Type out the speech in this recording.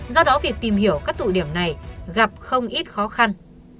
do đó việc tìm hiểu các tụ điểm này gặp không ít khó khăn